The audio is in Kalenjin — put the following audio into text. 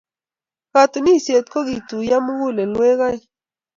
Katunisyet ko ketuiyo mugulelweek aeng.